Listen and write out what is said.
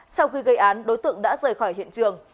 sau khi gây án đối tượng đã rời khỏi hiện trường